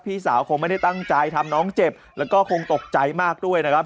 พี่สาวคงไม่ได้ตั้งใจทำน้องเจ็บแล้วก็คงตกใจมากด้วยนะครับ